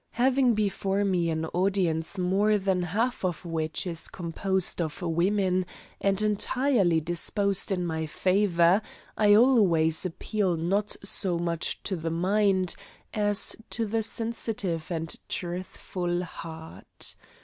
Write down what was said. Having before me an audience more than half of which is composed of women, and entirely disposed in my favour, I always appeal not so much to the mind as to the sensitive and truthful heart.